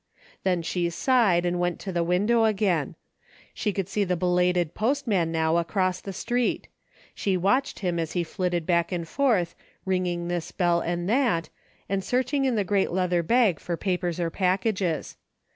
Then she sighed and went to the window again. She could see the belated postman now across the street. She watched him as he flitted back and forth, ringing this bell and 8 A DAILY BATE:^ that, and searching in the great leather bag for papers or packages.